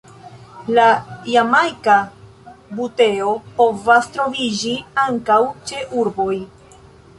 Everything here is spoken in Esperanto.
La Jamajka buteo povas troviĝi ankaŭ ĉe urboj.